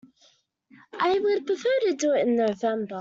I would prefer to do it in November.